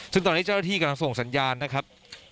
ซึ่งตอนนี้เจ้าหน้าที่กำลังส่งสัญญาณนะครับ